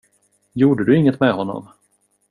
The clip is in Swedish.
Gjorde du inget med honom?